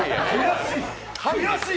悔しい。